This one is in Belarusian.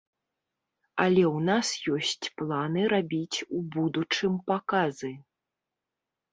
Але ў нас ёсць планы рабіць у будучым паказы.